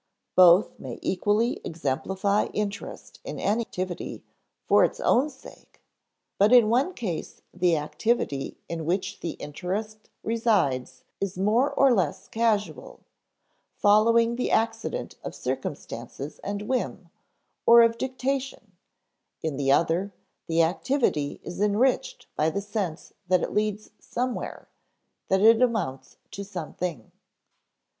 Both may equally exemplify interest in an activity "for its own sake"; but in one case the activity in which the interest resides is more or less casual, following the accident of circumstance and whim, or of dictation; in the other, the activity is enriched by the sense that it leads somewhere, that it amounts to something.